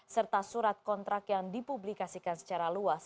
serta surat kontrak yang dipublikasikan secara luas